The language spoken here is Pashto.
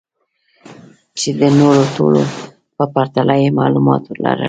چې د نورو ټولو په پرتله يې معلومات لرل.